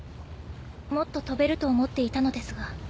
もっと飛べると思っていたのですが。